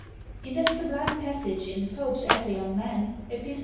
In that sublime passage in "Pope's Essay on Man," Epist.